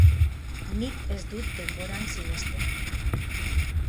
Nik ez dut denboran sinesten.